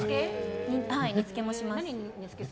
煮つけもします。